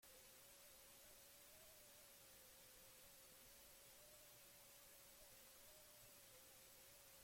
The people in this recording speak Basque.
Gehitu horri azken urteetan zabaldutako mugikorrek bi kamera dituztela.